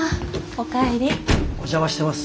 お邪魔してます。